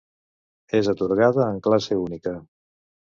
És atorgada en classe única.